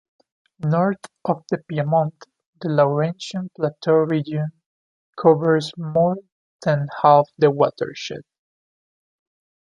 North of the piedmont the Laurentian plateau region covers more than half the watershed.